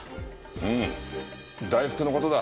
うん大福の事だ。